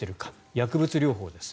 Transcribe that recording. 薬物療法です。